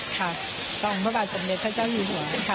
ค่ะต้องประวัติสำเร็จพระเจ้าอยู่หัวค่ะ